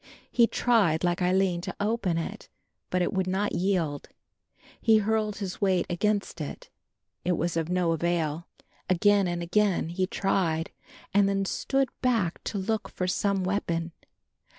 He tried, like Aline, to open it, but it would not yield. He hurled his weight against it; it was of no avail. Again and again he tried and then stood back to look for some weapon.